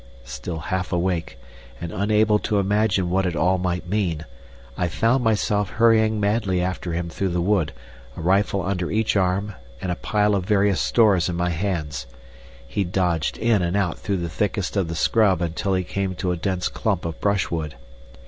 Still half awake, and unable to imagine what it all might mean, I found myself hurrying madly after him through the wood, a rifle under each arm and a pile of various stores in my hands. He dodged in and out through the thickest of the scrub until he came to a dense clump of brush wood.